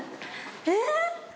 えっ？